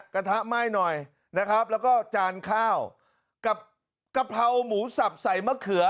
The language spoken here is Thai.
กระทะไหม้หน่อยนะครับแล้วก็จานข้าวกับกะเพราหมูสับใส่มะเขือ